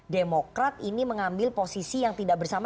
demokrat ini mengambil posisi yang tidak berbeda ya